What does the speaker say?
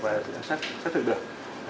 và xác thực được